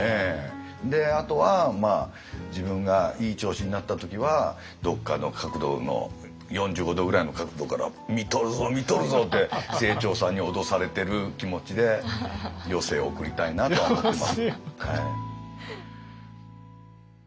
であとは自分がいい調子になった時はどっかの角度の４５度ぐらいの角度から「見とるぞ見とるぞ！」って清張さんに脅されてる気持ちで余生を送りたいなと思ってます。